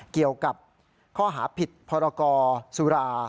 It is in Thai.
เกี่ยวกับข้อหาผิดพรกรสุรา